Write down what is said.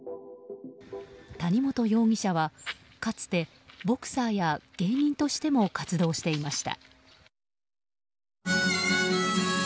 谷本容疑者は、かつてボクサーや芸人としても活動していました。